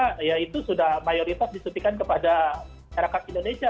karena itu sudah mayoritas disuntikan kepada masyarakat indonesia